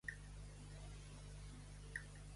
I què més està vent?